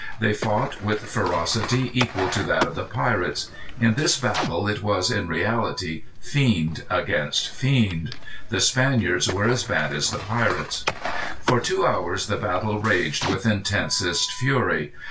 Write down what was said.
They fought with ferocity equal to that of the pirates. In this battle it was, in reality, fiend against fiend. The Spaniards were as bad as the pirates. For two hours the battle raged with intensest fury.